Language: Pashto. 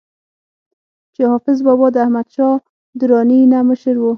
چې حافظ بابا د احمد شاه دراني نه مشر وو